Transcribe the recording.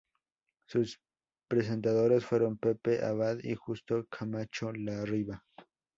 Sus presentadores fueron Pepe Abad y Justo Camacho Larriva.